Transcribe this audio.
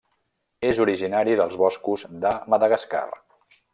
És originari dels boscos de Madagascar.